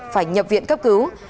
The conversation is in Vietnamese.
phải nhập viện cấp cứu